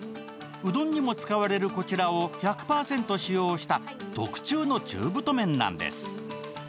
うどんにも使われるこちらを１００％使用した特注の中太麺なんです。